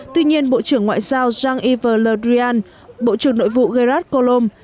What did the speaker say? tuy nhiên bộ trưởng ngoại giao jean yves le drian bộ trưởng nội vụ gerard collomb